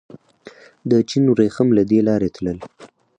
د چین وریښم له دې لارې تلل